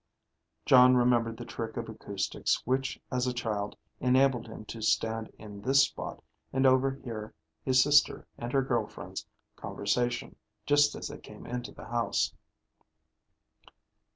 (Jon remembered the trick of acoustics which as a child enabled him to stand in this spot and overhear his sister and her girlfriends' conversation just as they came into the house.)